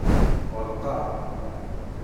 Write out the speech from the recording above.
Ɣelqeɣ.